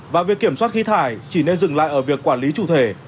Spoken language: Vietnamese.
và việc kiểm soát khí thải chỉ nên dừng lại ở việc quản lý chủ thể